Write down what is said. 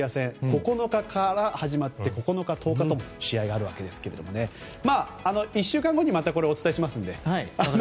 ９日から始まって９日、１０日と試合があるわけですけれど１週間後にまたお伝えしますので。